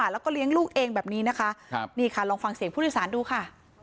แล้วก็เลี้ยงลูกเองแบบนี้นะคะนี่ค่ะลองฟังเสียงผู้โดยสารดูค่ะ